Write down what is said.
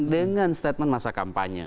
dengan statement masa kampanye